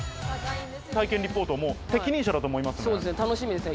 体験リポートも適任者だと思そうですね。